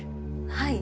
はい。